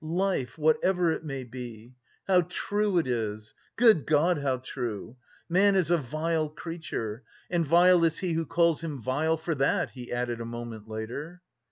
Life, whatever it may be!... How true it is! Good God, how true! Man is a vile creature!... And vile is he who calls him vile for that," he added a moment later.